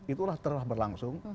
itulah telah berlangsung